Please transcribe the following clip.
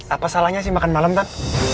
apa salahnya sih makan malam tadi